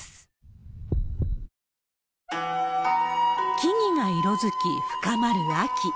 木々が色づき深まる秋。